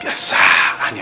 bisa satu perpecelan